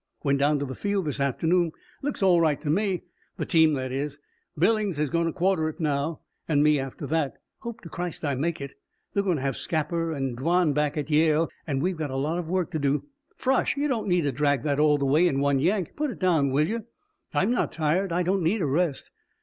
"Went down to the field this afternoon looks all right to me. The team, that is. Billings is going to quarter it now and me after that hope to Christ I make it they're going to have Scapper and Dwan back at Yale and we've got a lot of work to do. Frosh! You don't need to drag that all the way in one yank. Put it down, will you?" "I'm not tired. I don't need a rest."